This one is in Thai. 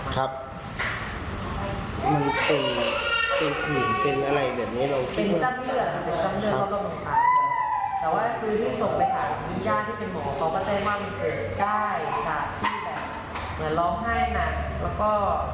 แต่ว่าคือรีบส่งไปถามญาติที่เป็นหมอของเขาก็ได้ว่ามันเกิดได้ค่ะที่แบบเหมือนร้องไห้หนักแล้วก็